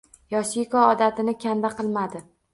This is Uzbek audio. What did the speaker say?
Yosiko odatini kanda qilmadi